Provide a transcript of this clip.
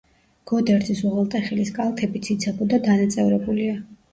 გოდერძის უღელტეხილის კალთები ციცაბო და დანაწევრებულია.